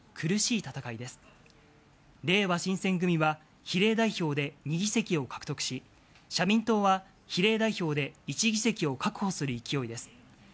れいわ新選組は、比例代表で２議席を獲得し、社民党は比例代表で１議席を確保する勢いです。